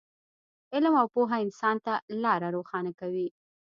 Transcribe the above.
علم او پوهه انسان ته لاره روښانه کوي.